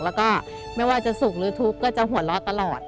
แล้วก็ไม่ว่าจะสุขหรือทุกข์ก็จะหัวเราะตลอด